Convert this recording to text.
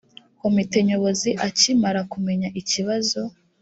komite nyobozi akimara kumenya ikibazo